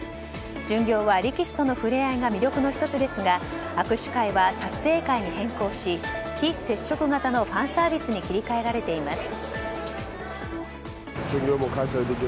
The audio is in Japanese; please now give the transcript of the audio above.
巡業は力士との触れ合いが魅力の一つですが握手会は撮影会に変更し非接触型のファンサービスに切り替えられています。